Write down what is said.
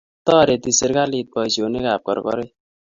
Toriti serikalit boisionik ab korkoret